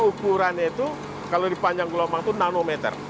ukurannya itu kalau di panjang gelombang itu nanometer